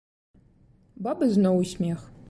Бабы зноў у смех.